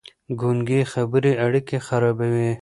ګونګې خبرې اړيکې خرابوي.